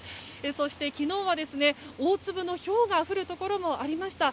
そして、昨日は大粒のひょうが降るところもありました。